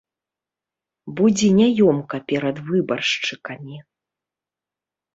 Будзе няёмка перад выбаршчыкамі.